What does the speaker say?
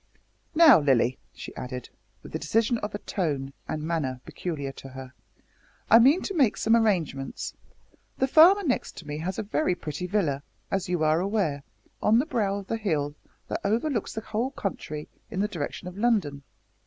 "Now, Lilly," she added, with the decision of tone and manner peculiar to her, "I mean to make some arrangements. The farmer next to me has a very pretty villa, as you are aware, on the brow of the hill that overlooks the whole country in the direction of London.